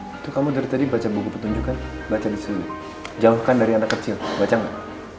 itu kamu dari tadi baca buku petunjukkan bacanya jauhkan dari anak kecil baca nggak